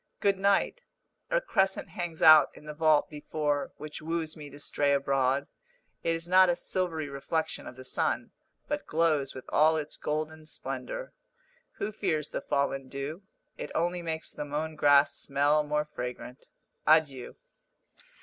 Good night! A crescent hangs out in the vault before, which woos me to stray abroad. It is not a silvery reflection of the sun, but glows with all its golden splendour. Who fears the fallen dew? It only makes the mown grass smell more fragrant. Adieu!